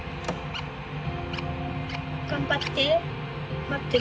頑張って。